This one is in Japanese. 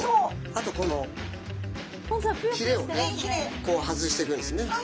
あとこのひれを外していくんですね。